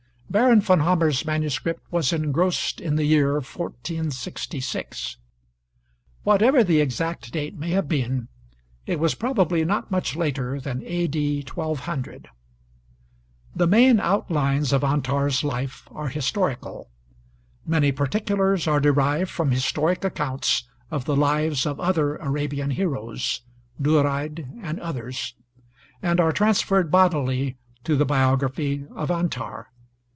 (Baron von Hammer's MS. was engrossed in the year 1466.) Whatever the exact date may have been, it was probably not much later than A.D. 1200. The main outlines of Antar's life are historical. Many particulars are derived from historic accounts of the lives of other Arabian heroes (Duraid and others) and are transferred bodily to the biography of Antar.